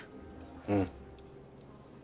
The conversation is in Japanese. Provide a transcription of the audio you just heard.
うん。